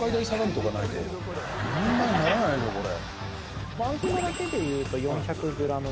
２人前ならないぞこれ。